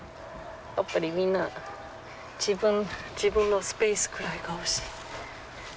やっぱりみんな自分のスペースくらいが欲しい。